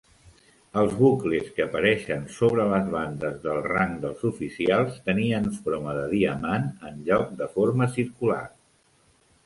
Els "bucles" que apareixen sobre les bandes del rang dels oficials tenien forma de diamant enlloc de forma circular.